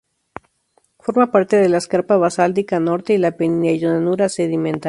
Forma parte de la escarpa basáltica norte y de la penillanura sedimentaria.